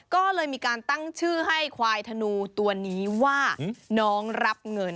ก็เลยมีการตั้งชื่อให้ควายธนูตัวนี้ว่าน้องรับเงิน